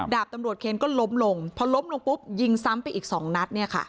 ดาบตำรวจเคนก็ล้มลงพอล้มลงปุ๊บยิงซ้ำไปอีก๒นัดเนี่ยค่ะ